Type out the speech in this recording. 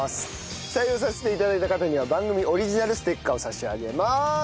採用させて頂いた方には番組オリジナルステッカーを差し上げます。